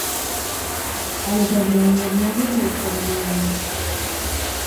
Але праблема не абмяжоўваецца рэгіёнам.